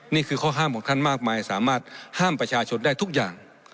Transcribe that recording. นี่คือข้อห้ามของท่านมากมายสามารถห้ามประชาชนได้ทุกอย่าง